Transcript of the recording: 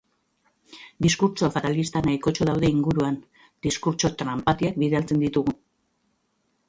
Diskurtso fatalista nahikotxo daude inguruan; diskurtso tranpatiak bidaltzen ditugu.